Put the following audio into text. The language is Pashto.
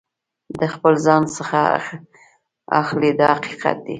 د خپل ځان څخه اخلي دا حقیقت دی.